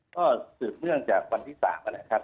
ก็สืบเนื่องจากวันที่๓นะครับ